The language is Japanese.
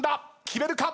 決めるか？